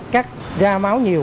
cắt ra máu nhiều